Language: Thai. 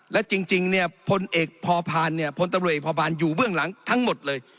และจริงเนี่ยพลเอกพอพานเนี่ยพลตำรวจเอกพอพานอยู่เบื้องหลังทั้งหมดเลย